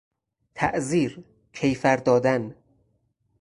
تعزیر، کیفر دادن